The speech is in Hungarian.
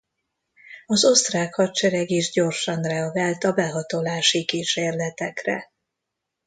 Az osztrák hadsereg is gyorsan reagált a behatolási kísérletekre.